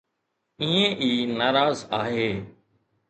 ائين ئي ناراض آهي.